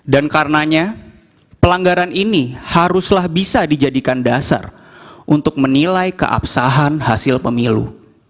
dan karenanya pelanggaran ini haruslah bisa dijadikan dasar untuk menilai keabsahan hasil pemilu